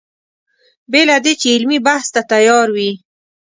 بې له دې چې علمي بحث ته تیار وي.